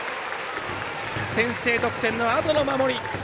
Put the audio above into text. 先制得点のあとの守り。